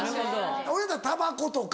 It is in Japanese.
俺やったらたばことか。